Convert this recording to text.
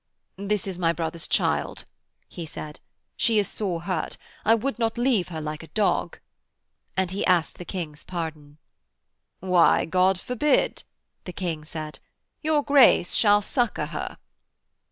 'This is my brother's child,' he said. 'She is sore hurt. I would not leave her like a dog,' and he asked the King's pardon. 'Why, God forbid,' the King said. 'Your Grace shall succour her.'